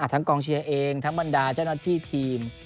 ทั้งกองเชียร์เองทั้งบรรดาเจ้าหน้าที่ทีม